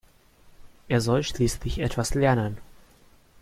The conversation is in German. Er soll schließlich etwas lernen.